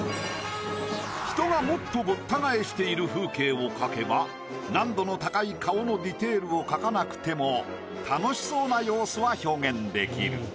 人がもっとごった返している風景を描けば難度の高い顔のディテールを描かなくても楽しそうな様子は表現できる。